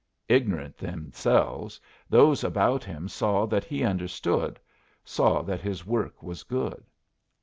Ignorant themselves, those about him saw that he understood, saw that his work was good.